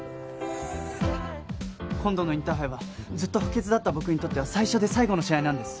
今度のインターハイはずっと補欠だった僕にとっては最初で最後の試合なんです。